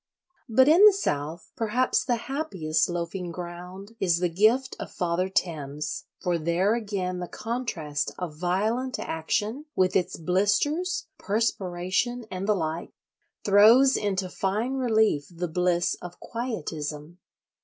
But in the South perhaps the happiest loafing ground is the gift of Father Thames; for there again the contrast of violent action, with its blisters, perspiration, and the like, throws into fine relief the bliss of "quietism."